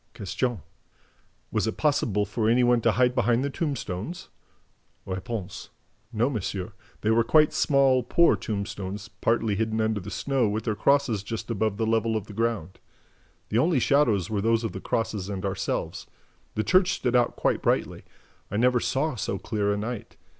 Q. "Was it possible for any one to hide behind the tombstones?" R. "No, monsieur. They were quite small, poor tombstones, partly hidden under the snow, with their crosses just above the level of the ground. The only shadows were those of the crosses and ourselves. The church stood out quite brightly. I never saw so clear a night.